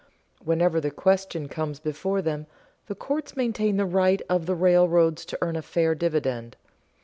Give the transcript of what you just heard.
Whenever the question comes before them, the courts maintain the right of the railroads to earn a fair dividend.